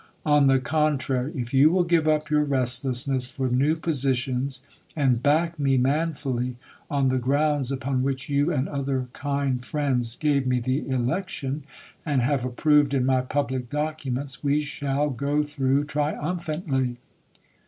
On the contrary, if you will give up your restlessness for new positions, and back me manfully on the grounds upon which you and other kind friends gave me the election, and have approved in my public documents, we shall go through triumph antly.